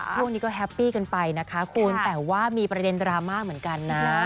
ช่วงนี้ก็แฮปปี้กันไปนะคะคุณแต่ว่ามีประเด็นดราม่าเหมือนกันนะ